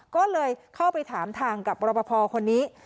ก็เลยเข้าไปถามทางกับรปภคนนี้